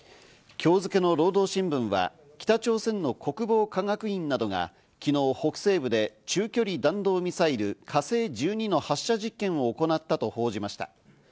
今日付の労働新聞は北朝鮮の国防科学院などが昨日、北西部で中距離弾道ミサイル「火星１２」の発射実験を行ったと報じました。